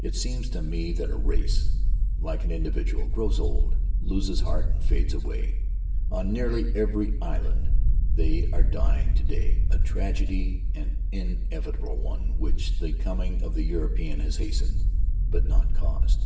It seems to me that a race, like an individual, grows old, loses heart, and fades away. On nearly every island they are dying to day — a tragedy, an inevitable one, which the coming of the European has hastened, but not caused.